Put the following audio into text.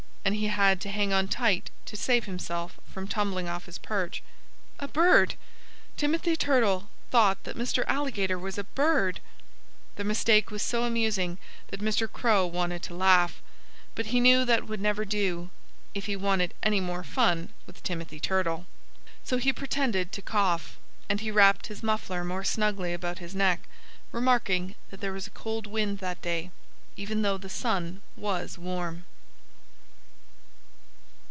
And he had to hang on tight to save himself from tumbling off his perch. A bird! Timothy Turtle thought that Mr. Alligator was a bird! The mistake was so amusing that Mr. Crow wanted to laugh. But he knew that would never do if he wanted any more fun with Timothy Turtle. So he pretended to cough. And he wrapped his muffler more snugly about his neck, remarking that there was a cold wind that day, even though the sun was warm.